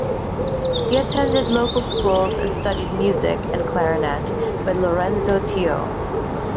He attended local schools and studied music and clarinet with Lorenzo Tio.